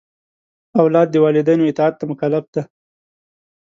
اولاد د والدینو اطاعت ته مکلف دی.